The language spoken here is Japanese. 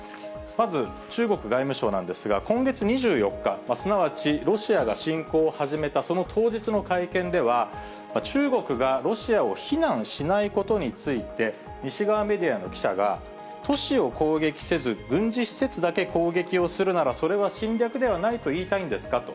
まず中国外務省なんですが、今月２４日、すなわちロシアが侵攻を始めたその当日の会見では、中国がロシアを非難しないことについて、西側メディアの記者が、都市を攻撃せず軍事施設だけ攻撃をするなら、それは侵略ではないといいたいんですか？